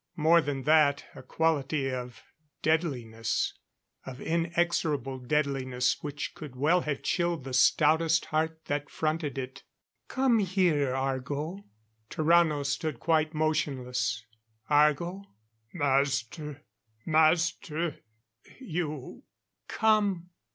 More than that. A quality of deadliness of inexorable deadliness which could well have chilled the stoutest heart that fronted it. "Come here, Argo." Tarrano stood quite motionless. "Argo!" "Master! Master, you " "Come!"